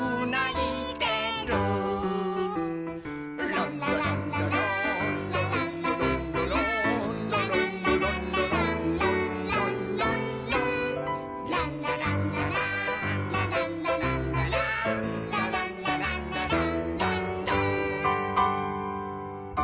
「ランラランラランラランラランラランラ」「ランラランラランランランランラン」「ランラランラランラランラランラランラ」「ランラランラランランラン」